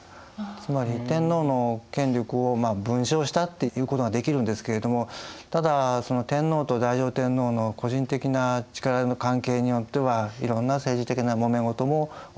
つまり天皇の権力を分掌したっていうことができるんですけどもただその天皇と太上天皇の個人的な力の関係によってはいろんな政治的なもめ事も起きた。